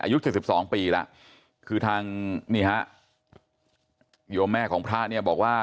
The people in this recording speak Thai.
อายุถุสิบสองปีล่ะคือทางพระยวแม่ของพระเนี่ยบอกว่า